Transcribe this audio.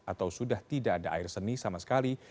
atau sudah tidak ada air seni sama sekali